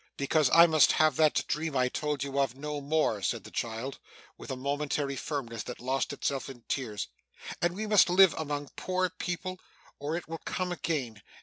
'Because I must have that dream I told you of, no more,' said the child, with a momentary firmness that lost itself in tears; 'and we must live among poor people, or it will come again.